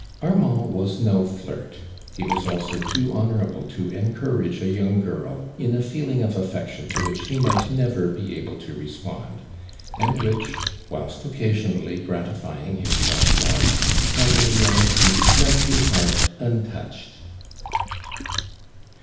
Armand was no flirt. He was afeo too honorable to encourage a yoUng girl in a feeling of affection to which he might nerer be able to respond, and which, whU'st occa sionally gratifying his self love, had in real ity left his heart untouched.